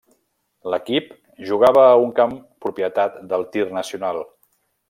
L'equip jugava a un camp propietat del Tir Nacional.